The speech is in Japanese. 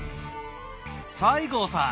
西郷さん！